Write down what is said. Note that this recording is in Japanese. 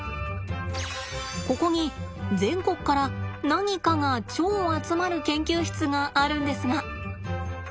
ここに全国から「何か」が超集まる研究室があるんですが。